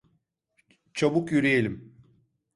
Çabuk yürüyelim!